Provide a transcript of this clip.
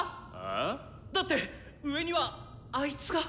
だって上にはあいつが！